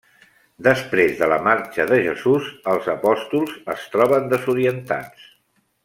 Després de la marxa de Jesús, els apòstols es troben desorientats.